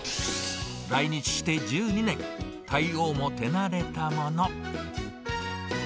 来日して１２年、対応も手慣れたもの。